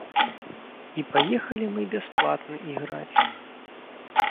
І паехалі мы бясплатны іграць.